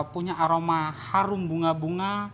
punya aroma harum bunga bunga